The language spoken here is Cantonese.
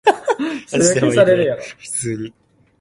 油炸鬼